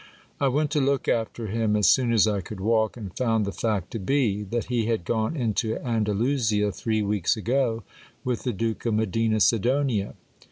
I went to look after hhr as soon as I could walk, and found the fact to be, that he had gone into Anda lusia three weeks ago, with the Duke of Medina Sidonia.